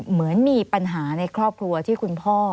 เหมือนมีปัญหาในครอบครัวที่คุณพ่อ